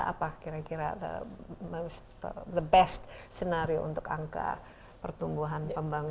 apa kira kira the best scenario untuk angka pertumbuhan pembangunan